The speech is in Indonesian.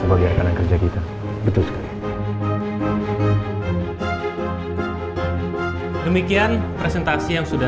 enggak tangan kamu kenapa